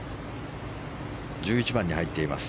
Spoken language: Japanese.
１１番に入っています